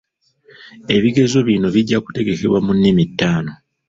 Ebigezo bino bijja kutegekebwa mu nnimi taano.